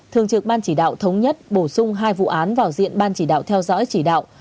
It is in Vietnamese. thường trực ban chỉ đạo thống nhất bổ sung hai vụ án vào diện ban chỉ đạo theo dõi chỉ đạo